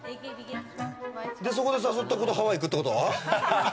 そこで誘った子とハワイに行くってこと？